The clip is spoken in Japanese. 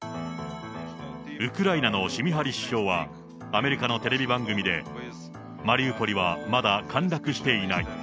ウクライナのシュミハリ首相は、アメリカのテレビ番組で、マリウポリはまだ陥落していない。